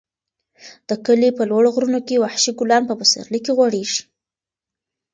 د کلي په لوړو غرونو کې وحشي ګلان په پسرلي کې غوړېږي.